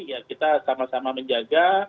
ya kita sama sama menjaga